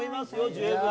十分。